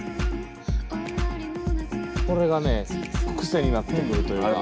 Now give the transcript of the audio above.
これがね癖になってくるというか。